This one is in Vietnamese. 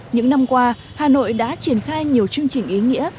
những năm qua hà nội đã triển khai nhiều chương trình ý nghĩa